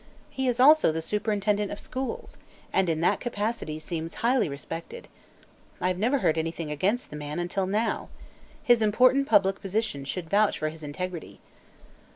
"He is also the superintendent of schools, and in that capacity seems highly respected. I have never heard anything against the man, until now. His important public position should vouch for his integrity."